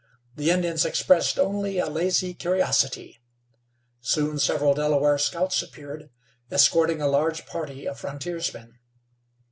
The Indians expressed only a lazy curiosity. Soon several Delaware scouts appeared, escorting a large party of frontiersmen.